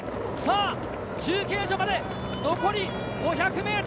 中継所まで残り５００ｍ。